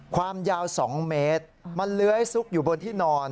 ความยาว๒เมตรมันเลื้อยซุกอยู่บนที่นอน